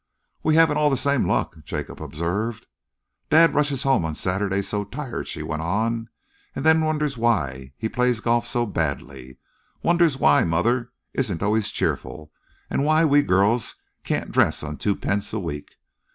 "We haven't all the same luck," Jacob observed. "Dad rushes home on Saturdays so tired," she went on, "and then wonders why he plays golf so badly, wonders why mother isn't always cheerful, and why we girls can't dress on twopence a week.